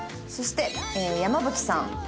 そして山吹さん。